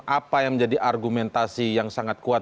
apa yang menjadi argumentasi yang sangat kuat